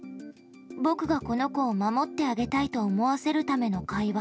僕がこの子を守ってあげたいと思わせるための会話。